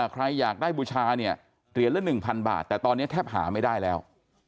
ใครอยากได้บูชาเนี่ยเหรียญละ๑๐๐บาทแต่ตอนนี้แทบหาไม่ได้แล้ว